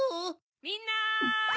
・みんな！